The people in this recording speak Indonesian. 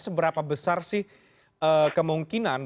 seberapa besar sih kemungkinan